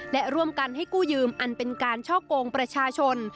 และร่วมกันให้กู้ยืมอันเป็นการช่อกงประชาชน